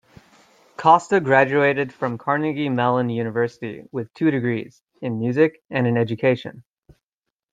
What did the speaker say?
Costa graduated from Carnegie Mellon University with two degrees, in music and in education.